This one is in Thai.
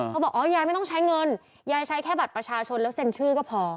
บอกอ๋อยายไม่ต้องใช้เงินยายใช้แค่บัตรประชาชนแล้วเซ็นชื่อก็พอ